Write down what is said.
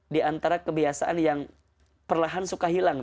di antara kebiasaan yang perlahan suka hilang